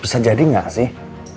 bisa jadi gak sih